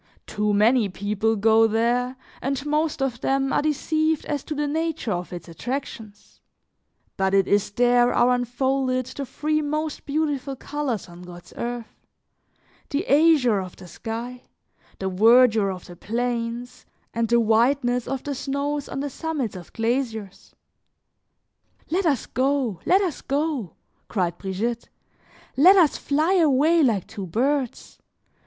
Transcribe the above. Too many people go there, and most of them are deceived as to the nature of its attractions; but it is there, are unfolded the three most beautiful colors on God's earth: the azure of the sky, the verdure of the plains, and the whiteness of the snows on the summits of glaciers. "Let us go, let us go," cried Brigitte, "let us fly away like two birds.